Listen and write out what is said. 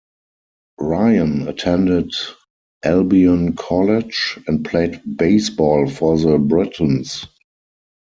Ryan attended Albion College, and played baseball for the Britons.